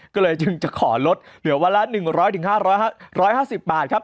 ก็เลยจึงจะขอลดเหลือวันละ๑๐๐๕๕๐บาทครับ